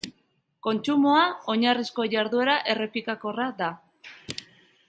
Kontsumoa oinarrizko jarduera errepikakorra da.